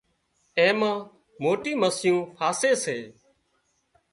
اين مان موٽي مسيون ڦاسي سي